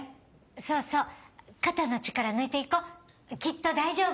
そうそう肩の力抜いていこうきっと大丈夫。